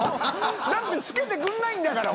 だって付けてくれないんだから。